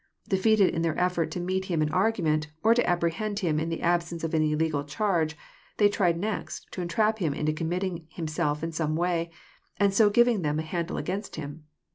Defeated in their effort to meet Him in argument, or to apprehend Him in the absence of any legal charge, they tried next to entrap Him into committing Himself in some way, and so giving them a handle against Him.